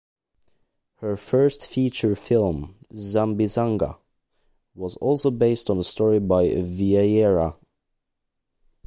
Her first feature film, "Sambizanga", was also based on a story by Vieira.